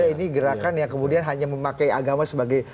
ini gerakan yang kemudian hanya memakai agama sebagai